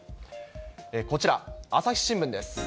こちら、朝日新聞です。